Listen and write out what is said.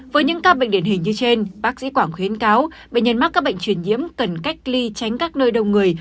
với những ca bệnh điển hình như trên bác sĩ quảng khuyến cáo bệnh nhân mắc các bệnh truyền nhiễm cần cách ly tránh các nơi đông người